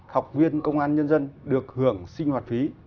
học viên công an nhân dân được hưởng sinh hoạt phí